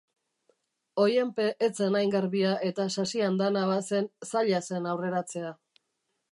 Oihanpe ez zen hain garbia eta sasi andana bazen, zaila zen aurreratzea.